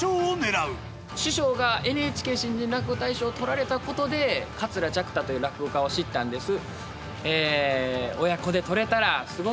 師匠がＮＨＫ新人落語大賞取られたことで桂雀太という落語家を知ったんです。